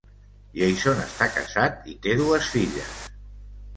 Jason està casat i té dues filles.